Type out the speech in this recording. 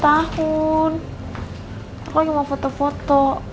tahan aku lagi mau foto foto